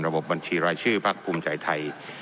บบัญชีรายชื่อพักภูมิใจไทย